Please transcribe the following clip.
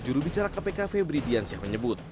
juru bicara kpk febridiansyah menyebut